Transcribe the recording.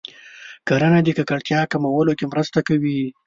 کرنه د ککړتیا کمولو کې مرسته کوي.